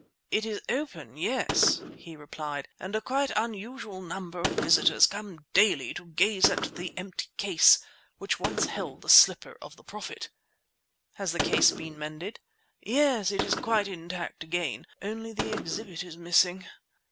"It is open, yes," he replied, "and a quite unusual number of visitors come daily to gaze at the empty case which once held the slipper of the Prophet." "Has the case been mended?" "Yes; it is quite intact again; only the exhibit is missing."